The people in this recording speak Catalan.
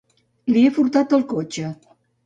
Li he furtat el cotxe.